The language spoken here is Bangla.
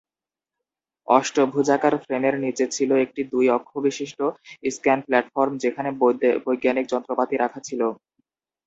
অষ্টভুজাকার ফ্রেমের নিচে ছিল একটি দুই অক্ষবিশিষ্ট স্ক্যান প্ল্যাটফর্ম যেখানে বৈজ্ঞানিক যন্ত্রপাতি রাখা ছিল।